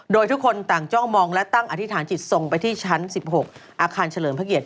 โดยทุกคนต่างจ้องมองและตั้งอธิษฐานจิตส่งไปที่ชั้น๑๖อาคารเฉลิมพระเกียรติ